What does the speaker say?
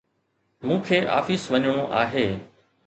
مون کي آفيس وڃڻو آهي